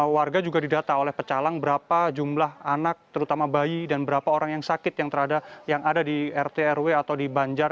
warga juga didata oleh pecalang berapa jumlah anak terutama bayi dan berapa orang yang sakit yang ada di rt rw atau di banjar